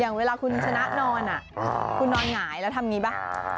เวลาคุณชนะนอนคุณนอนหงายแล้วทำอย่างนี้ป่ะ